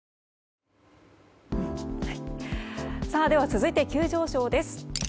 続いて急上昇です。